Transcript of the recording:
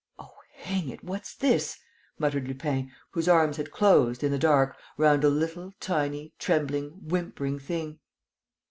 "Oh, hang it, what's this?" muttered Lupin, whose arms had closed, in the dark, round a little, tiny, trembling, whimpering thing.